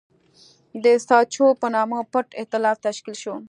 د ساتچو په نامه پټ اېتلاف تشکیل شو.